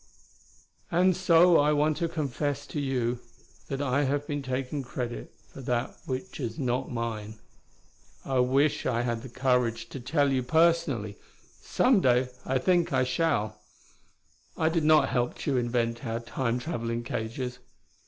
"... and so I want to confess to you that I have been taking credit for that which is not mine. I wish I had the courage to tell you personally; someday I think I shall. I did not help Tugh invent our Time traveling cages.